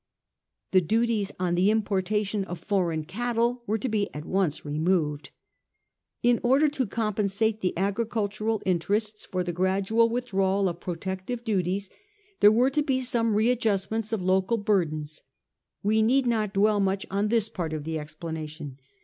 The duties on the importation of foreign cattle were to be at once removed. In order to compensate the agricultural interests for the gradual withdrawal of protective duties, there were to he some readjustments of local burdens. We need not dwell much on this part of the explanation.